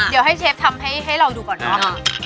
เดี๋ยวให้เชฟทำให้เราดูก่อนเนอะ